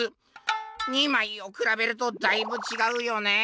「２まいをくらべるとだいぶ違うよね。